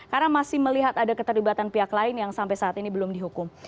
karena masih melihat ada keterlibatan pihak lain yang sampai saat ini belum dihukum